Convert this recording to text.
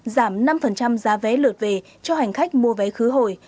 giảm năm giá vé lượt về cho hành khách mua vé khứ hồi